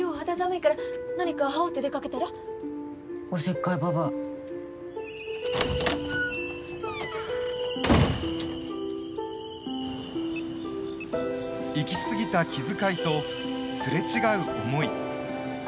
いきすぎた気遣いとすれ違う思い。